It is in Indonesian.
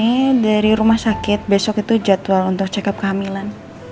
ini dari rumah sakit besok itu jadwal untuk check up kehamilan